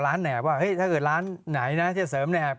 ร้านแนบว่าเฮ้ถ้าเกิดร้านไหนนะที่จะเสริมแนบ